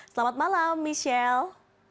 selamat malam michelle